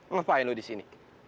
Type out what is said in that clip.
ngapain lu di sini